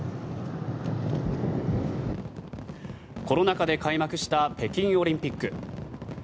コロナ禍で開幕した北京オリンピック。